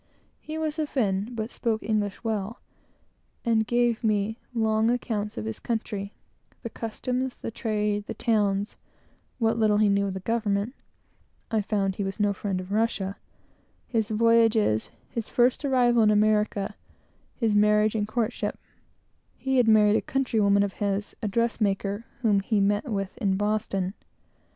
He was a Fin, but spoke English very well, and gave me long accounts of his country; the customs, the trade, the towns, what little he knew of the government, (I found he was no friend of Russia), his voyages, his first arrival in America, his marriage and courtship; he had married a countrywoman of his, a dress maker, whom he met with in Boston.